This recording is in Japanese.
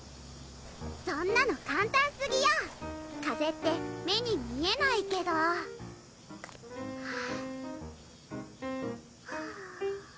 そんなの簡単すぎよ風って目に見えないけどふぅ